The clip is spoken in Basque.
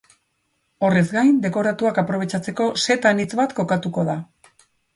Horrez gain, dekoratuak aprobetxatzeko set anitz bat kokatuko da.